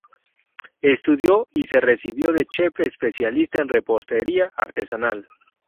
Estudió y se recibió de chef especialista en repostería artesanal.